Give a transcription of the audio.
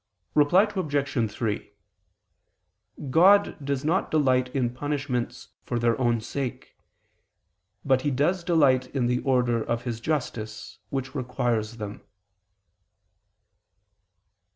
Reply Obj. 3: God does not delight in punishments for their own sake; but He does delight in the order of His justice, which requires them.